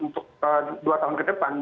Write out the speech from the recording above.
untuk dua tahun ke depan